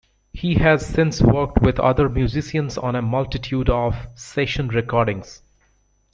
He has since worked with other musicians on a multitude of session recordings.